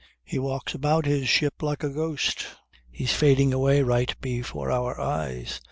He walks about his ship like a ghost. He's fading away right before our eyes.